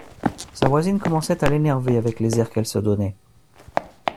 sa voisine commençait à l’énerver avec les airs qu’elle se donnait.